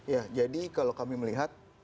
ya jadi kalau kami melihat